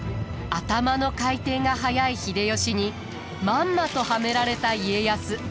頭の回転が速い秀吉にまんまとはめられた家康。